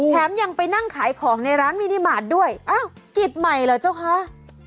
อ้อแถงยังไปนั่งขายของในร้านมินิมาร์สด้วยน่ะกลิดใหม่เหรอเจ้าค่ะ